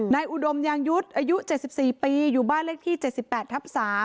อุดมยางยุทธ์อายุ๗๔ปีอยู่บ้านเลขที่๗๘ทับ๓